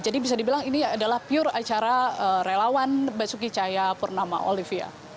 jadi bisa dibilang ini adalah pure acara relawan basuki cahaya purnama olivia